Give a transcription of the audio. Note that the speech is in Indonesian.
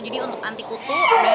jadi untuk anti kutu